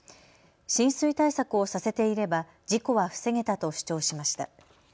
浸水対策をさせていれば事故は防げたと主張しました。